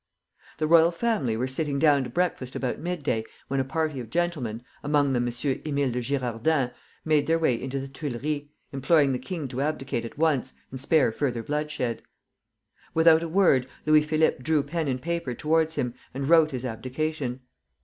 The royal family were sitting down to breakfast about midday when a party of gentlemen, among them M. Émile de Girardin, made their way into the Tuileries, imploring the king to abdicate at once and spare further bloodshed. Without a word, Louis Philippe drew pen and paper towards him and wrote his abdication.